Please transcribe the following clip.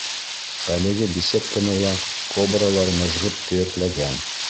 Әлеге беседканы ла кобралар мыжғып төйәкләгән.